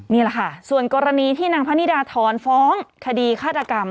นี่แหละค่ะส่วนกรณีที่นางพนิดาถอนฟ้องคดีฆาตกรรม